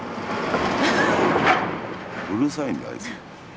うるさいんだよあいつ。